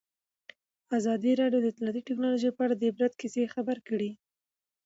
ازادي راډیو د اطلاعاتی تکنالوژي په اړه د عبرت کیسې خبر کړي.